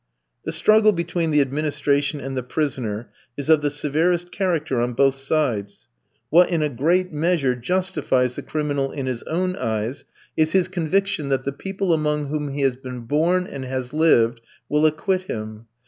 The struggle between the administration and the prisoner is of the severest character on both sides. What in a great measure justifies the criminal in his own eyes, is his conviction that the people among whom he has been born and has lived will acquit him.